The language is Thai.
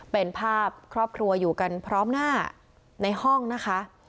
เป็นภาพครอบครัวอยู่กันพร้อมหน้าในห้องนะคะ